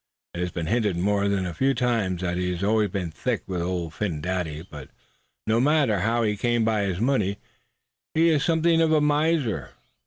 It has been hinted more than a few times that he has always been thick with Old Phin Dady. But no matter how he came by his money, he is something of a miser."